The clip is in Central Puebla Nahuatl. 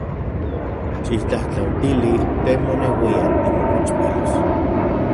Xiktlajtlautili te moneuian timokechpilos.